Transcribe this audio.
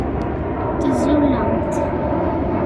Teẓẓullemt.